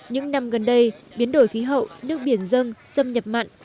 những năm gần đây biến đổi khí hậu nước biển dân xâm nhập mặn